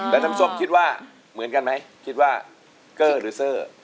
แล้วน้ำซุปคิดว่าเหมือนกันไหมคิดว่าเกอร์หรือเซอร์